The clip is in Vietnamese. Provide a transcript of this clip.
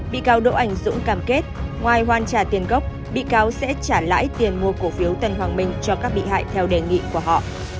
bị cáo đỗ ảnh dũng cảm kết ngoài hoàn trả tiền gốc bị cáo sẽ trả lãi tiền mua cổ phiếu tân hoàng minh cho các bị hại theo đề nghị của họ